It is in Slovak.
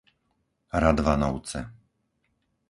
Radvanovce